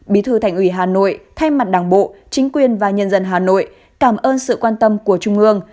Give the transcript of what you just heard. bí thư thành ủy hà nội thay mặt đảng bộ chính quyền và nhân dân hà nội cảm ơn sự quan tâm của trung ương